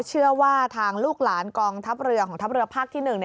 เชื่อว่าทางลูกหลานกองทัพเรือของทัพเรือภาคที่๑